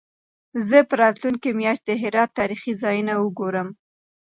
زه به راتلونکې میاشت د هرات تاریخي ځایونه وګورم.